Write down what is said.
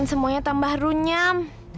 ya keluarga kita nggak patut hidup